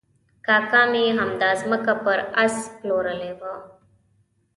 کاکا مې همدا ځمکه پر آس پلورلې وه.